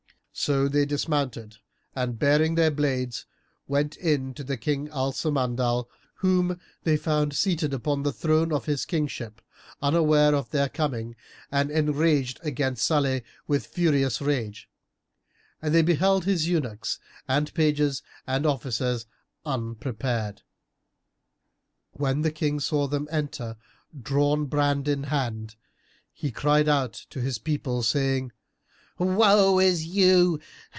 So they dismounted and baring their blades, went in to the King Al Samandal, whom they found seated upon the throne of his Kingship, unaware of their coming and enraged against Salih with furious rage; and they beheld his eunuchs and pages and officers unprepared. When the King saw them enter, drawn brand in hand, he cried out to his people, saying "Woe to you!